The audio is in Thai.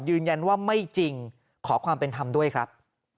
ยืนยันว่าไม่จริงขอความเป็นธรรมด้วยครับ